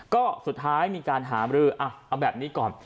ก็สุดท้ายมีการหามรือเอาแบบนี้ก่อน